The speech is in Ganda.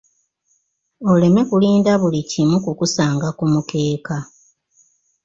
Oleme kulinda buli kimu kukusanga ku mukeeka.